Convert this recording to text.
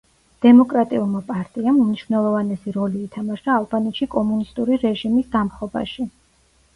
დემოკრატიულმა პარტიამ უმნიშვნელოვანესი როლი ითამაშა ალბანეთში კომუნისტური რეჟიმის დამხობაში.